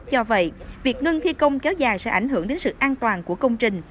do vậy việc ngưng thi công kéo dài sẽ ảnh hưởng đến sự an toàn của công trình